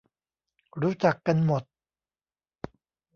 รู้จักกันหมด